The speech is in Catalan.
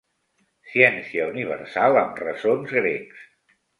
Ciència universal amb ressons grecs.